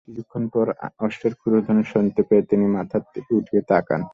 কিছুক্ষণ পর অশ্বের খুরধ্বনি শুনতে পেয়ে তিনি মাথা উঠিয়ে তাকান।